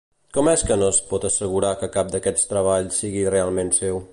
Com és que no es pot assegurar que cap d'aquests treballs sigui realment seu?